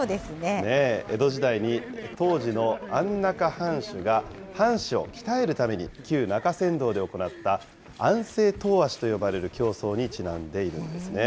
江戸時代に当時の安中藩主が藩士を鍛えるために、旧中山道で行った安政遠足と呼ばれる競争にちなんでいるんですね。